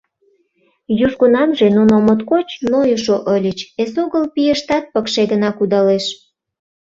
Южгунамже нуно моткоч нойышо ыльыч — эсогыл пийыштат пыкше гына кудалеш.